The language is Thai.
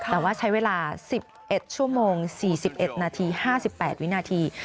แต่ว่าใช้เวลา๑๑ชั่วโมง๔๑นาที๕๘วินาที